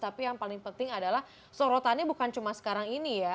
tapi yang paling penting adalah sorotannya bukan cuma sekarang ini ya